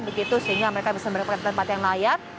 sehingga mereka bisa memiliki tempat yang layak